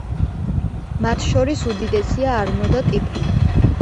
მათ შორის უდიდესია არნო და ტიბრი.